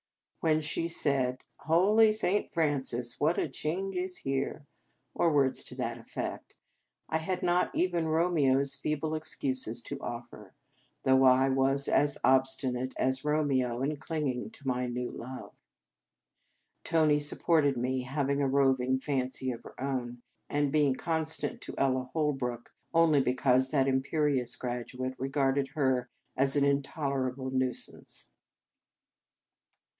When she said, 223 In Our Convent Days " Holy Saint Francis ! what a change is here," or words to that effect, I had not even Romeo s feeble excuses to offer, though I was as obstinate as Romeo in clinging to my new love. Tony supported me, having a roving fancy of her own, and being constant to Ella Holrook, only because that imperious graduate regarded her as an intolerable nuisance.